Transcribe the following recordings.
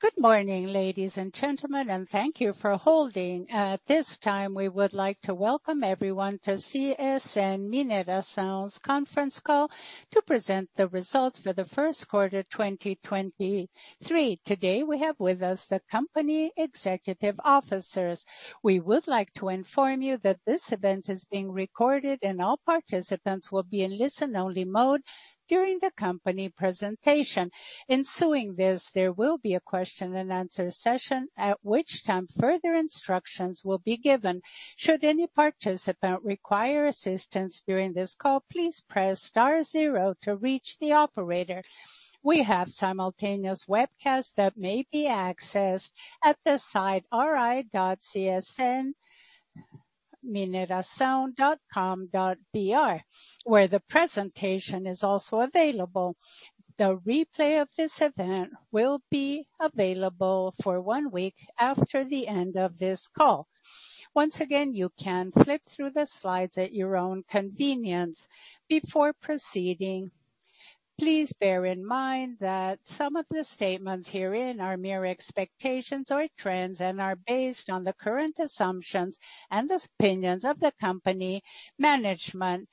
Good morning, ladies and gentlemen, thank you for holding. At this time, we would like to welcome everyone to CSN Mineração's conference call to present the results for the first quarter 2023. Today, we have with us the company executive officers. We would like to inform you that this event is being recorded, and all participants will be in listen-only mode during the company presentation. Ensuing this, there will be a question and answer session, at which time further instructions will be given. Should any participant require assistance during this call, please press star zero to reach the operator. We have simultaneous webcast that may be accessed at the site ri.csnmineracao.com.br, where the presentation is also available. The replay of this event will be available for one week after the end of this call. Once again, you can flip through the slides at your own convenience. Before proceeding, please bear in mind that some of the statements herein are mere expectations or trends and are based on the current assumptions and opinions of the company management.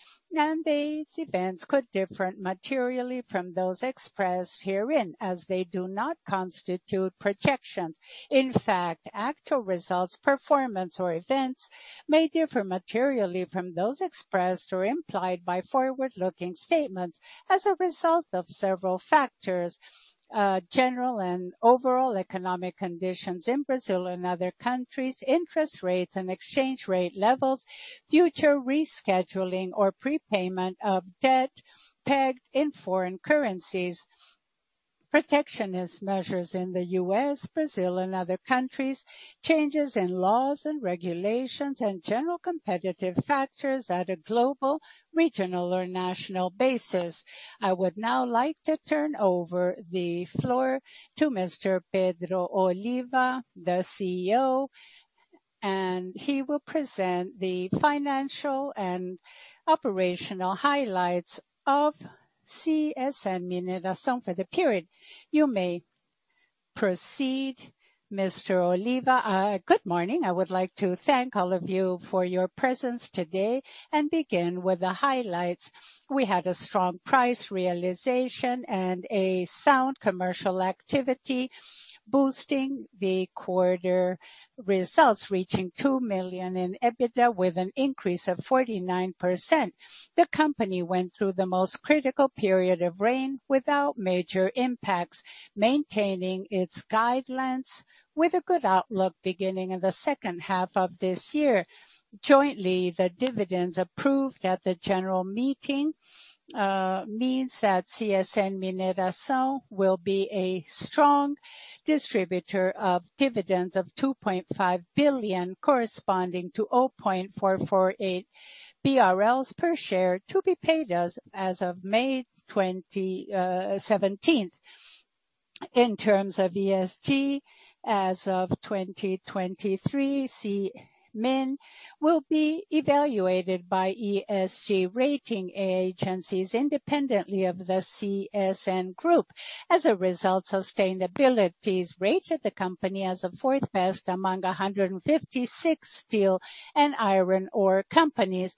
These events could differ materially from those expressed herein as they do not constitute projections. In fact, actual results, performance or events may differ materially from those expressed or implied by forward-looking statements as a result of several factors, general and overall economic conditions in Brazil and other countries, interest rates and exchange rate levels, future rescheduling or prepayment of debt pegged in foreign currencies, protectionist measures in the U.S., Brazil and other countries, changes in laws and regulations, and general competitive factors at a global, regional or national basis. I would now like to turn over the floor to Mr. Pedro Oliva, the CEO, he will present the financial and operational highlights of CSN Mineração for the period. You may proceed, Mr. Oliva. Good morning. I would like to thank all of you for your presence today and begin with the highlights. We had a strong price realization and a sound commercial activity, boosting the quarter results, reaching 2 million in EBITDA with an increase of 49%. The company went through the most critical period of rain without major impacts, maintaining its guidelines with a good outlook beginning in the second half of this year. Jointly, the dividends approved at the general meeting means that CSN Mineração will be a strong distributor of dividends of 2.5 billion, corresponding to 0.448 BRL per share, to be paid as of May 17th. In terms of ESG, as of 2023, CMIN will be evaluated by ESG rating agencies independently of the CSN group. As a result, Sustainalytics rated the company as the fourth-best among 156 steel and iron ore companies.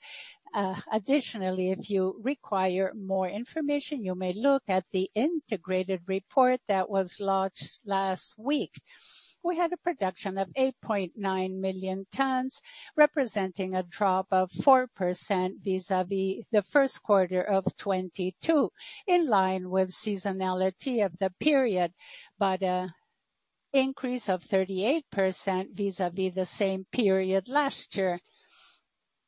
Additionally, if you require more information, you may look at the integrated report that was launched last week. We had a production of 8.9 million tons, representing a drop of 4% vis-a-vis the first quarter of 2022, in line with seasonality of the period, but an increase of 38% vis-a-vis the same period last year.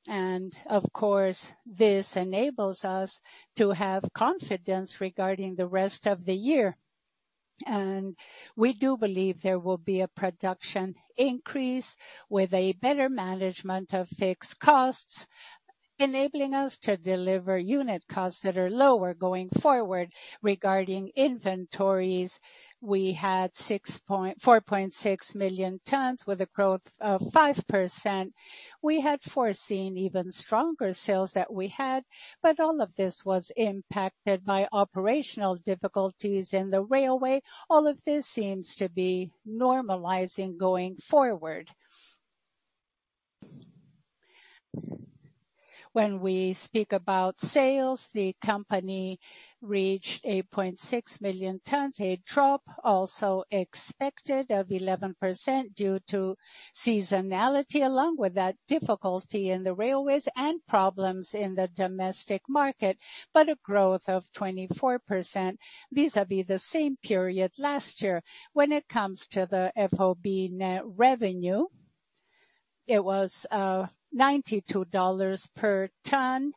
Of course, this enables us to have confidence regarding the rest of the year. We do believe there will be a production increase with a better management of fixed costs, enabling us to deliver unit costs that are lower going forward. Regarding inventories, we had 4.6 million tons with a growth of 5%. We had foreseen even stronger sales than we had. All of this was impacted by operational difficulties in the railway. All of this seems to be normalizing going forward. When we speak about sales, the company reached 8.6 million tons, a drop also expected of 11% due to seasonality, along with that difficulty in the railways and problems in the domestic market. A growth of 24% vis-a-vis the same period last year. When it comes to the FOB net revenue, it was $92 per ton,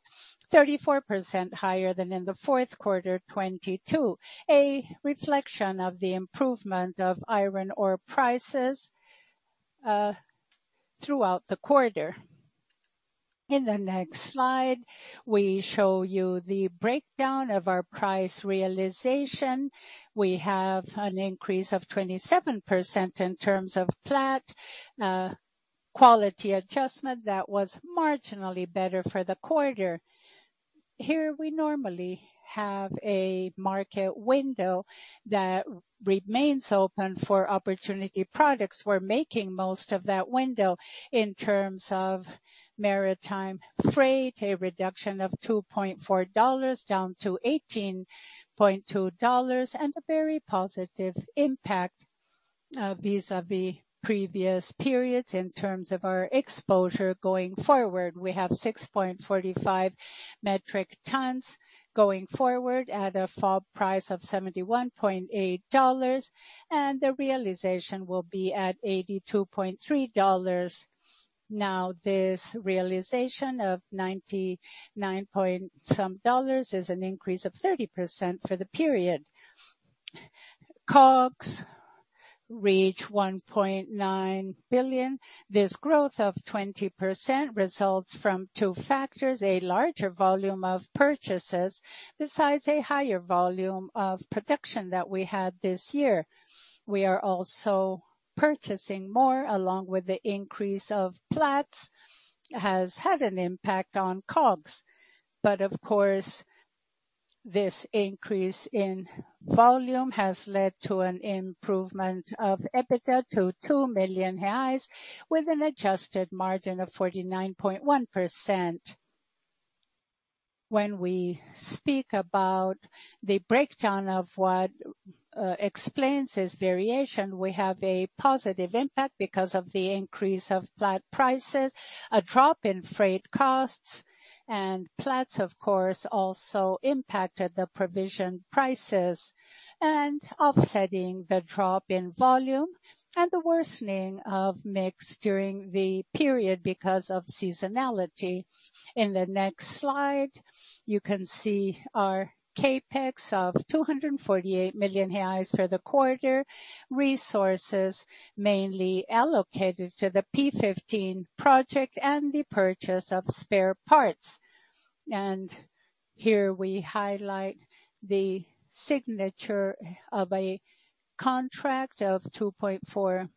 34% higher than in the fourth quarter of 2022, a reflection of the improvement of iron ore prices throughout the quarter. In the next slide, we show you the breakdown of our price realization. We have an increase of 27% in terms of flat quality adjustment that was marginally better for the quarter. Here we normally have a market window that remains open for opportunity products. We're making most of that window in terms of maritime freight, a reduction of $2.4 down to $18.2, a very positive impact vis-à-vis previous periods. In terms of our exposure going forward, we have 6.45 metric tons going forward at a FOB price of $71.8, the realization will be at $82.3. This realization of $99.some is an increase of 30% for the period. COGS reach 1.9 billion. This growth of 20% results from two factors, a larger volume of purchases, besides a higher volume of production that we had this year. We are also purchasing more, along with the increase of flats, has had an impact on COGS. Of course, this increase in volume has led to an improvement of EBITDA to 2 million reais with an adjusted margin of 49.1%. When we speak about the breakdown of what explains this variation, we have a positive impact because of the increase of flat prices, a drop in freight costs, and flats of course, also impacted the provision prices and offsetting the drop in volume and the worsening of mix during the period because of seasonality. In the next slide, you can see our CapEx of 248 million reais for the quarter. Resources mainly allocated to the P15 project and the purchase of spare parts. Here we highlight the signature of a contract of $2.4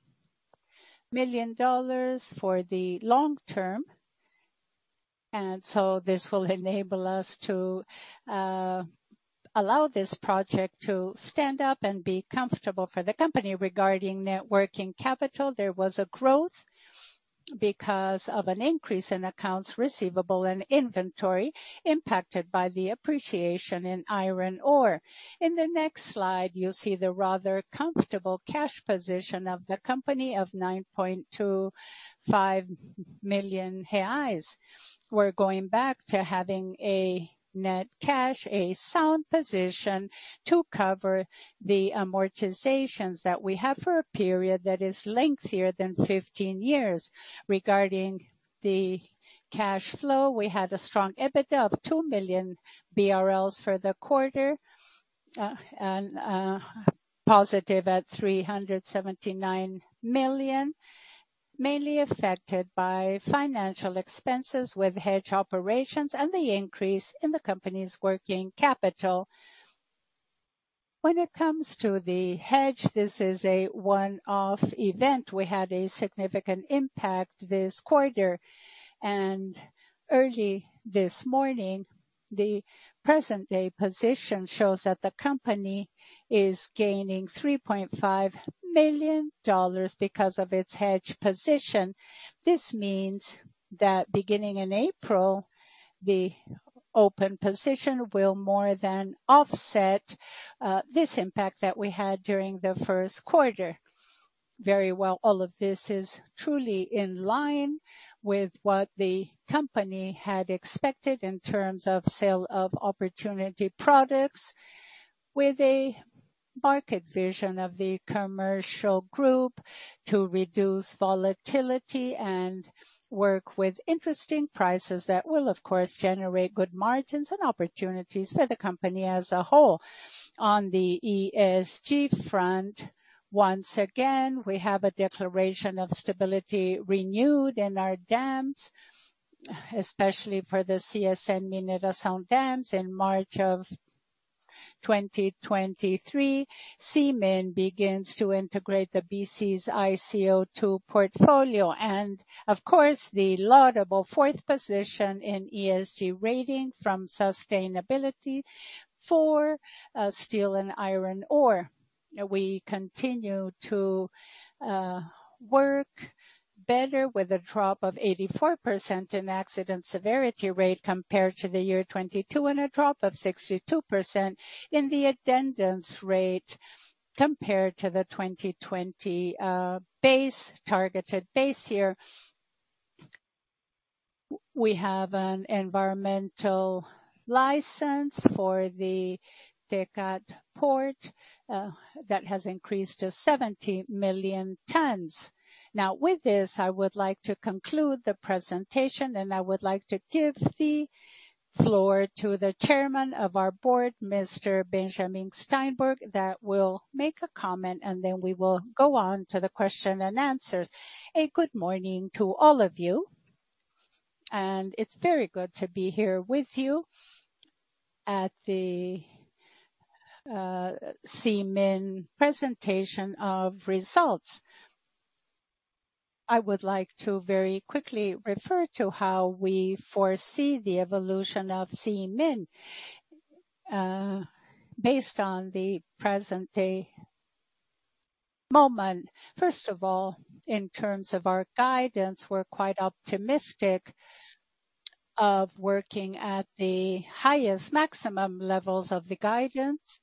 million for the long term. This will enable us to allow this project to stand up and be comfortable for the company. Regarding net working capital, there was a growth because of an increase in accounts receivable and inventory impacted by the appreciation in iron ore. In the next slide, you'll see the rather comfortable cash position of the company of 9.25 million reais. We're going back to having a net cash, a sound position to cover the amortizations that we have for a period that is lengthier than 15 years. Regarding the cash flow, we had a strong EBITDA of 2 million BRL for the quarter, and positive at 379 million, mainly affected by financial expenses with hedge operations and the increase in the company's working capital. When it comes to the hedge, this is a one-off event. We had a significant impact this quarter. Early this morning, the present day position shows that the company is gaining $3.5 million because of its hedge position. This means that beginning in April, the open position will more than offset this impact that we had during the first quarter. Very well. All of this is truly in line with what the company had expected in terms of sale of opportunity products with a market vision of the commercial group to reduce volatility and work with interesting prices that will, of course, generate good margins and opportunities for the company as a whole. On the ESG front, once again, we have a declaration of stability renewed in our dams, especially for the CSN Mina de São dams. In March of 2023, CMIN begins to integrate the B3's ICO2 portfolio and of course, the laudable fourth position in ESG rating from Sustainalytics for steel and iron ore. We continue to work better with a drop of 84% in accident severity rate compared to the year 2022, and a drop of 62% in the attendance rate compared to the 2020 targeted base year. We have an environmental license for the TECAR Port that has increased to 70 million tons. With this, I would like to conclude the presentation, and I would like to give the floor to the Chairman of our board, Mr. Benjamin Steinbruch, that will make a comment, then we will go on to the question and answers. Good morning to all of you, and it's very good to be here with you at the CMIN presentation of results. I would like to very quickly refer to how we foresee the evolution of CMIN, based on the present day moment. First of all, in terms of our guidance, we're quite optimistic of working at the highest maximum levels of the guidance,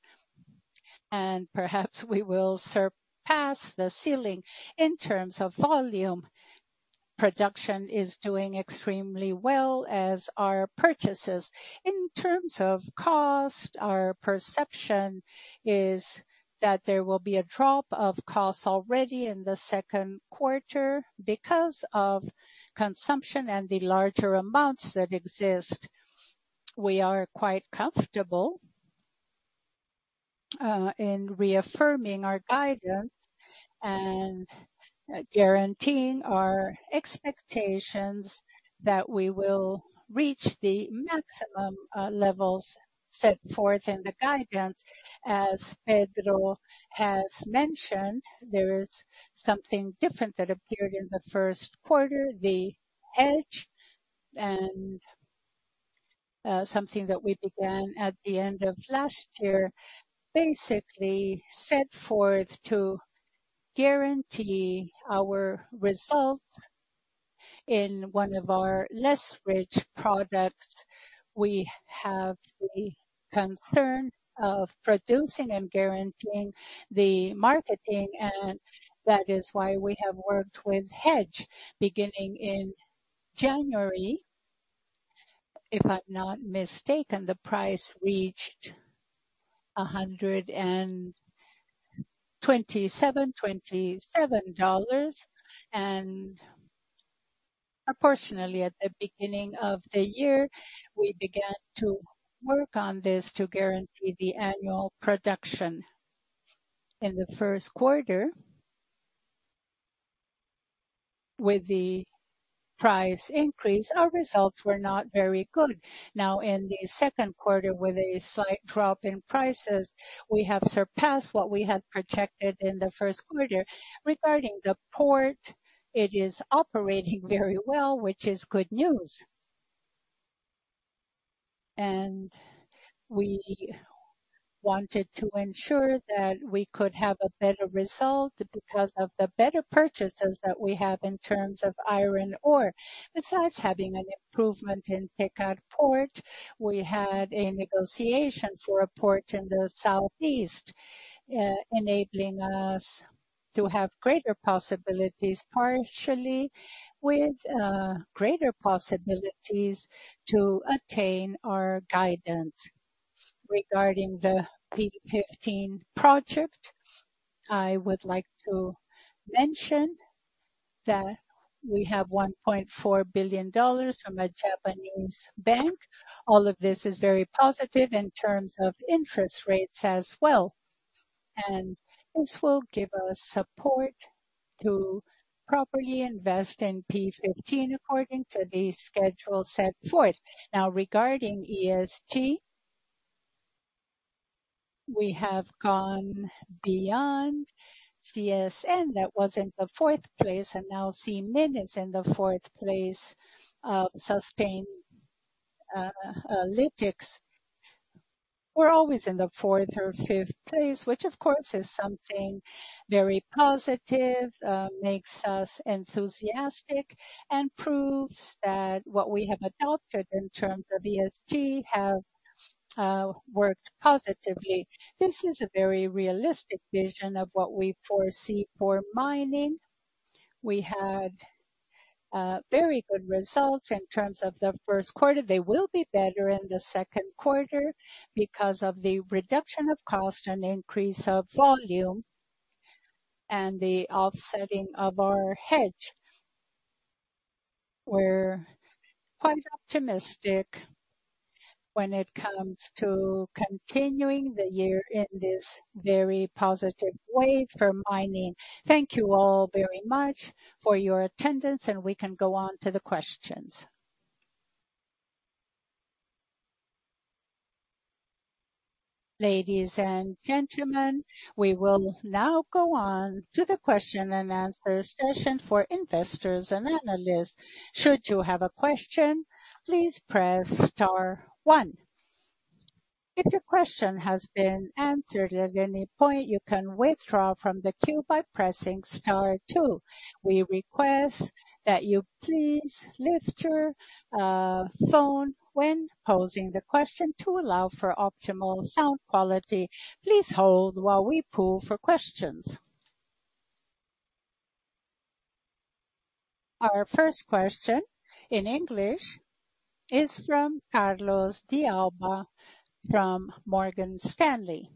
and perhaps we will surpass the ceiling in terms of volume. Production is doing extremely well as our purchases. In terms of cost, our perception is that there will be a drop of costs already in the second quarter because of consumption and the larger amounts that exist. We are quite comfortable in reaffirming our guidance and guaranteeing our expectations that we will reach the maximum levels set forth in the guidance. As Pedro has mentioned, there is something different that appeared in the first quarter, the edge and something that we began at the end of last year, basically set forth to guarantee our results. In one of our less rich products, we have the concern of producing and guaranteeing the marketing. That is why we have worked with hedge beginning in January. If I'm not mistaken, the price reached $127. Proportionally, at the beginning of the year, we began to work on this to guarantee the annual production. In the first quarter, with the price increase, our results were not very good. In the second quarter, with a slight drop in prices, we have surpassed what we had projected in the first quarter. Regarding the port, it is operating very well, which is good news. We wanted to ensure that we could have a better result because of the better purchases that we have in terms of iron ore. Besides having an improvement in Pecas Port, we had a negotiation for a port in the southeast, enabling us to have greater possibilities, partially with greater possibilities to attain our guidance. Regarding the P15 project, I would like to mention that we have $1.4 billion from a Japanese bank. All of this is very positive in terms of interest rates as well, and this will give us support to properly invest in P15 according to the schedule set forth. Regarding ESG, we have gone beyond CSN. That was in the fourth place, and now CMIN is in the fourth place of Sustainalytics. We're always in the fourth or fifth place, which of course is something very positive, makes us enthusiastic and proves that what we have adopted in terms of ESG have worked positively. This is a very realistic vision of what we foresee for mining. We had very good results in terms of the first quarter. They will be better in the second quarter because of the reduction of cost and increase of volume and the offsetting of our hedge. We're quite optimistic when it comes to continuing the year in this very positive way for mining. Thank you all very much for your attendance and we can go on to the questions. Ladies and gentlemen, we will now go on to the question and answer session for investors and analysts. Should you have a question, please press star one. If your question has been answered at any point, you can withdraw from the queue by pressing star two. We request that you please lift your phone when posing the question to allow for optimal sound quality. Please hold while we pull for questions. Our first question in English is from Carlos de Alba from Morgan Stanley.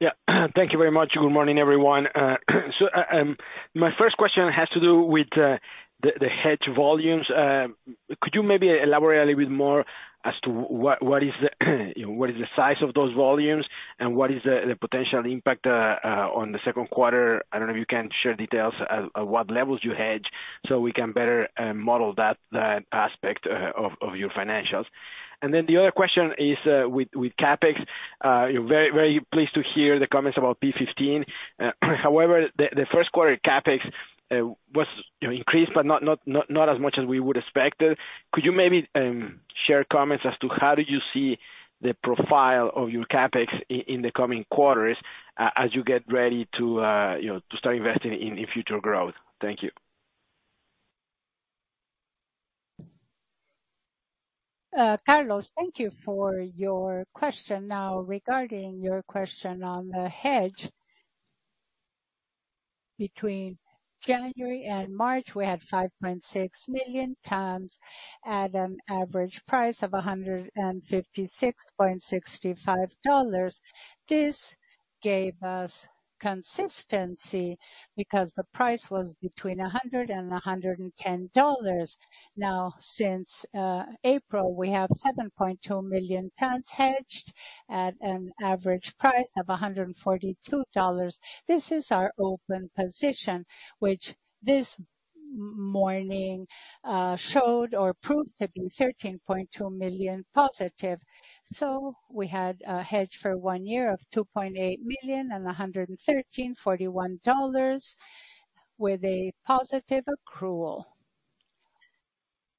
Yeah. Thank you very much. Good morning, everyone. My first question has to do with the hedge volumes. Could you maybe elaborate a little bit more as to what you know, what is the size of those volumes and what is the potential impact on the second quarter? I don't know if you can share details at what levels you hedge. We can better model that aspect of your financials. The other question is with CapEx. You're very pleased to hear the comments about P15. However, the first quarter CapEx was, you know, increased but not as much as we would expected. Could you maybe, share comments as to how do you see the profile of your CapEx in the coming quarters as you get ready to, you know, to start investing in future growth? Thank you. Carlos, thank you for your question. Regarding your question on the hedge, between January and March, we had 5.6 million tons at an average price of $156.65. This gave us consistency because the price was between $100-$110. Since April, we have 7.2 million tons hedged at an average price of $142. This is our open position, which this morning showed or proved to be $13.2 million positive. We had a hedge for one year of 2.8 million and $113.41 with a positive accrual.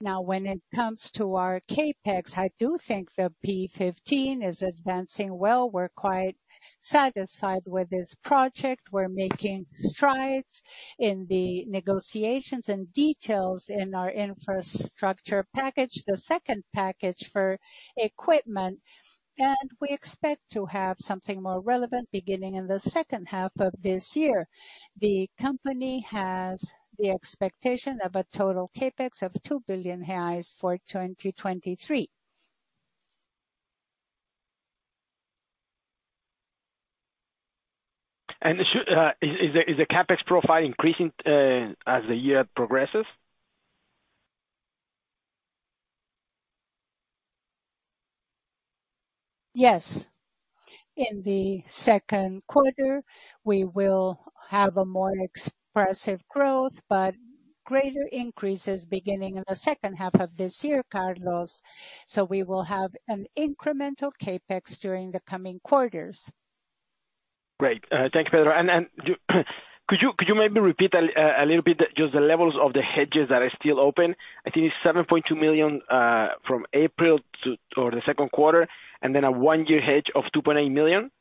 When it comes to our CapEx, I do think the P15 is advancing well. We're quite satisfied with this project. We're making strides in the negotiations and details in our infrastructure package, the second package for equipment. We expect to have something more relevant beginning in the second half of this year. The company has the expectation of a total CapEx of 2 billion reais for 2023. Is the CapEx profile increasing as the year progresses? Yes. In the second quarter, we will have a more expressive growth, but greater increases beginning in the second half of this year, Carlos, so we will have an incremental CapEx during the coming quarters. Great. Thank you, Pedro. Could you maybe repeat a little bit just the levels of the hedges that are still open? I think it's 7.2 million from April to or the second quarter, and then a one-year hedge of 2.8 million.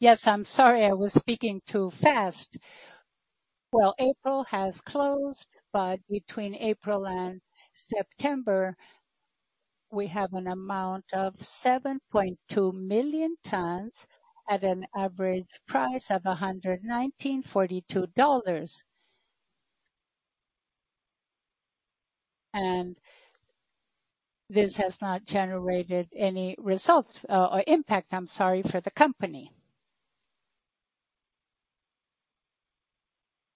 Yes. I'm sorry I was speaking too fast. April has closed, but between April and September, we have an amount of 7.2 million tons at an average price of $119.42. This has not generated any results, impact, I'm sorry, for the company.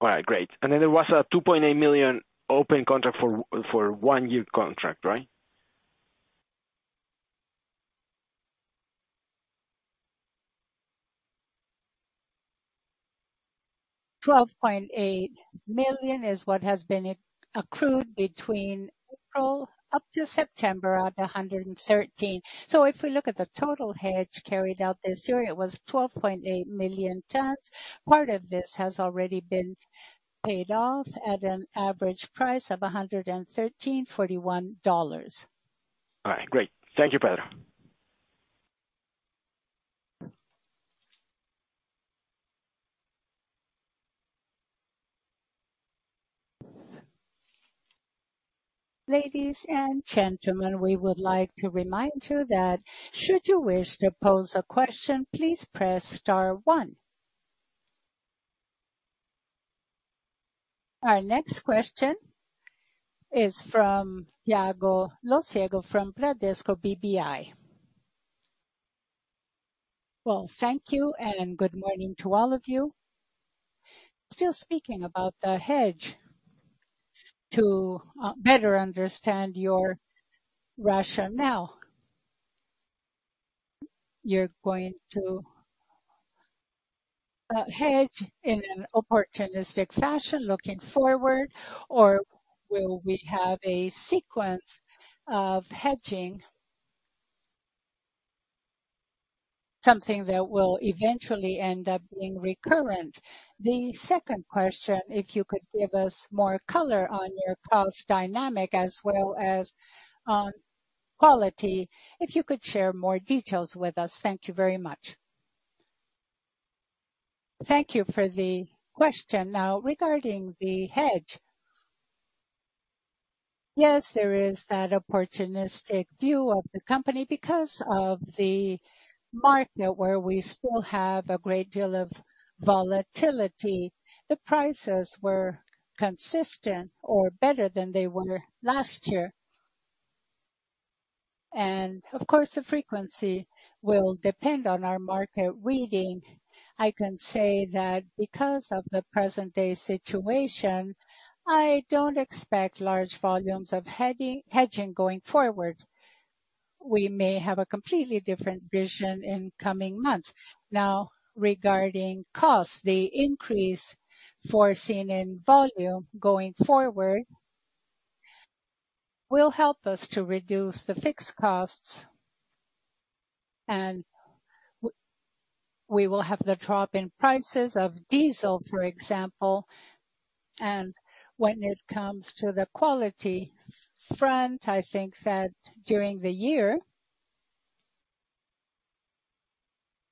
All right, great. There was a $2.8 million open contract for one year contract, right? 12.8 million is what has been accrued between April up to September at $113. If we look at the total hedge carried out this year, it was 12.8 million tons. Part of this has already been paid off at an average price of $113.41. All right. Great. Thank you, Pedro. Ladies and gentlemen, we would like to remind you that should you wish to pose a question, please press star one. Our next question is from Thiago Lofiego from Bradesco BBI. Thank you, and good morning to all of you. Still speaking about the hedge to better understand your rationale. You're going to hedge in an opportunistic fashion looking forward, or will we have a sequence of hedging, something that will eventually end up being recurrent? The second question, if you could give us more color on your cost dynamic as well as on quality, if you could share more details with us? Thank you very much. Thank you for the question. Regarding the hedge. Yes, there is that opportunistic view of the company because of the market where we still have a great deal of volatility. The prices were consistent or better than they were last year. The frequency will depend on our market reading. I can say that because of the present-day situation, I don't expect large volumes of hedi-hedging going forward. We may have a completely different vision in coming months. Regarding costs, the increase foreseen in volume going forward will help us to reduce the fixed costs, and we will have the drop in prices of diesel, for example. When it comes to the quality front, I think that during the year,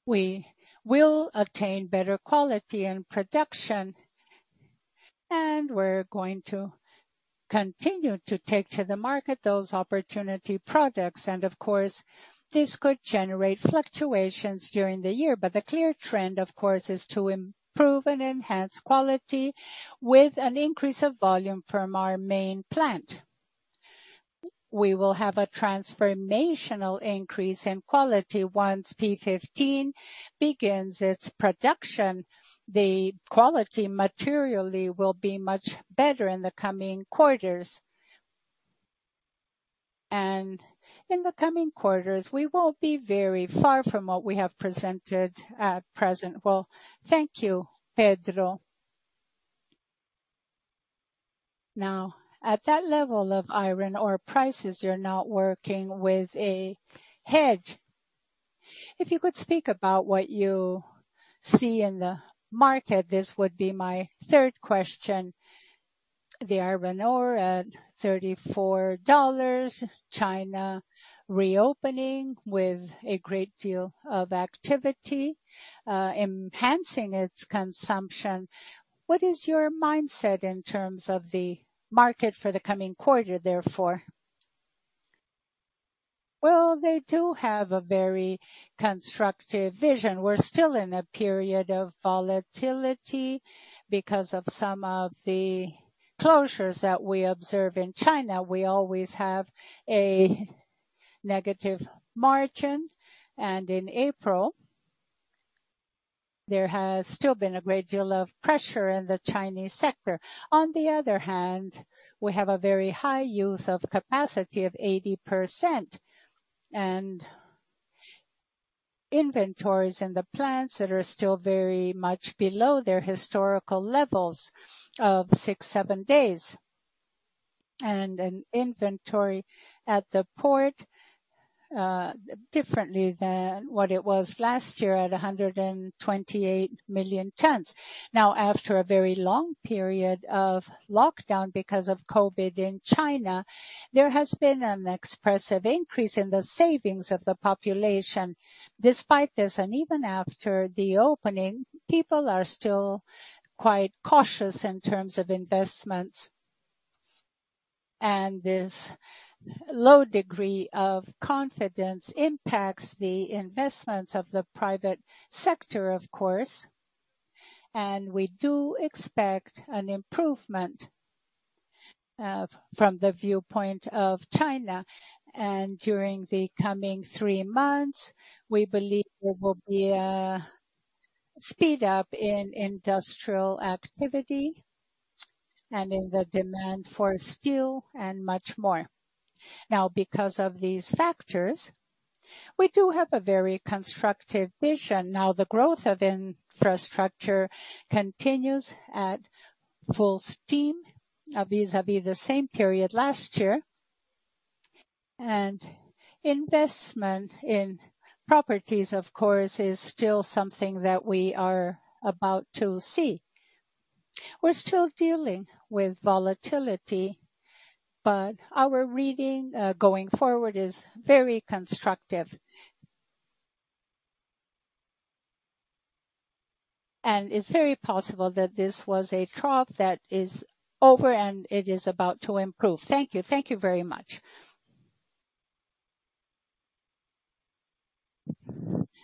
we will attain better quality and production, and we're going to continue to take to the market those opportunity products. This could generate fluctuations during the year. The clear trend, of course, is to improve and enhance quality with an increase of volume from our main plant. We will have a transformational increase in quality once P15 begins its production. The quality materially will be much better in the coming quarters. In the coming quarters, we won't be very far from what we have presented at present. Well, thank you, Pedro. Now, at that level of iron ore prices, you're not working with a hedge. If you could speak about what you see in the market, this would be my third question. The iron ore at $34, China reopening with a great deal of activity, enhancing its consumption. What is your mindset in terms of the market for the coming quarter therefore? Well, they do have a very constructive vision. We're still in a period of volatility because of some of the closures that we observe in China. We always have a negative margin, and in April, there has still been a great deal of pressure in the Chinese sector. On the other hand, we have a very high use of capacity of 80%, and inventories in the plants that are still very much below their historical levels of 6, 7 days. An inventory at the port, differently than what it was last year at 128 million tons. Now, after a very long period of lockdown because of COVID in China, there has been an expressive increase in the savings of the population. Despite this, and even after the opening, people are still quite cautious in terms of investments. This low degree of confidence impacts the investments of the private sector, of course. We do expect an improvement from the viewpoint of China. During the coming three months, we believe there will be a speed up in industrial activity and in the demand for steel and much more. Because of these factors, we do have a very constructive vision. The growth of infrastructure continues at full steam vis-à-vis the same period last year. Investment in properties, of course, is still something that we are about to see. We're still dealing with volatility, but our reading going forward is very constructive. It's very possible that this was a trough that is over, and it is about to improve. Thank you. Thank you very much.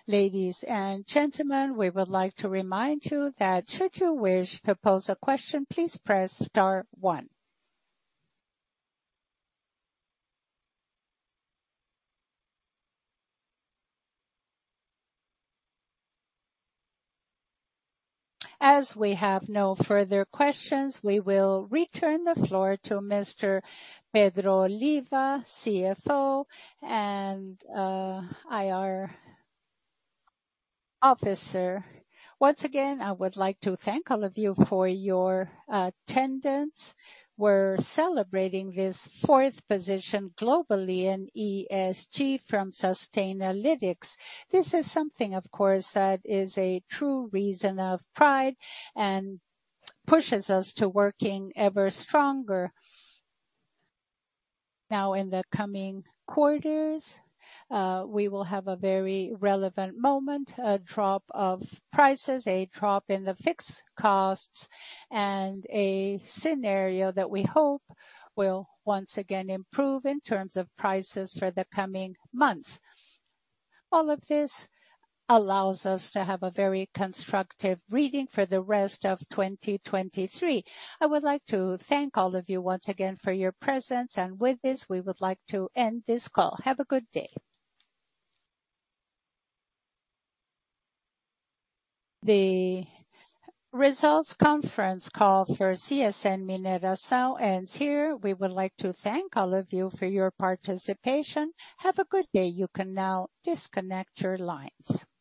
Ladies and gentlemen, we would like to remind you that should you wish to pose a question, please press star one. We have no further questions, we will return the floor to Mr. Pedro Oliva, CFO and IR Officer. Once again, I would like to thank all of you for your attendance. We're celebrating this fourth position globally in ESG from Sustainalytics. This is something, of course, that is a true reason of pride and pushes us to working ever stronger. In the coming quarters, we will have a very relevant moment, a drop of prices, a drop in the fixed costs, and a scenario that we hope will once again improve in terms of prices for the coming months. All of this allows us to have a very constructive reading for the rest of 2023. I would like to thank all of you once again for your presence. With this, we would like to end this call. Have a good day. The results conference call for CSN Mineração ends here. We would like to thank all of you for your participation. Have a good day. You can now disconnect your lines.